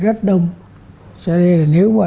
rất đông cho nên là nếu mà